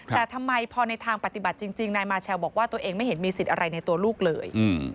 แต่ทำไมพอในทางปฏิบัติจริงนายมาเชลบอกว่าตัวเองไม่เห็นมีสิทธิ์อะไรในตัวลูกเลย